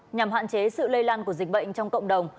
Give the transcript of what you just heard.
nhằm hạn chế sự lây lan của dịch bệnh trong cộng đồng